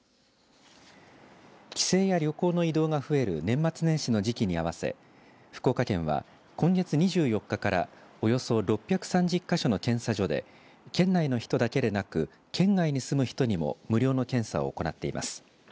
帰省や旅行の移動が増える年末年始の時期に合わせ福岡県は、今月２４日からおよそ６３０か所の検査所で県内の人だけでなく県外に住む人にも無料の検査を行っています。